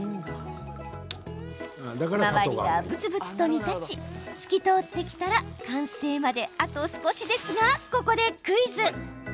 周りがぶつぶつと煮立ち透き通ってきたら完成まであと少しですが、ここでクイズ。